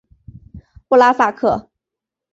布拉萨克。